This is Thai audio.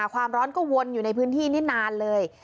ความร้อนก็วนอยู่ในพื้นที่นี่นานเลย